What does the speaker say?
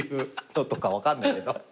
分かんないけど。